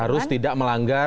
harus tidak melanggar